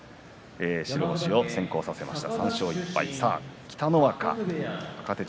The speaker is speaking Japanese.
白星を先行させました。